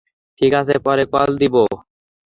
ঠিক আছে, পরে কল দিব।